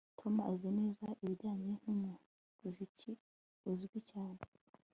Tom azi neza ibijyanye numuziki uzwi cyane